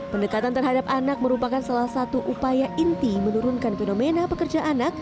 pendekatan terhadap anak merupakan salah satu upaya inti menurunkan fenomena pekerja anak